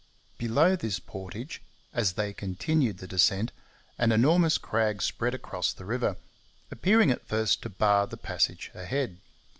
Below this portage, as they continued the descent, an enormous crag spread across the river, appearing at first to bar the passage ahead.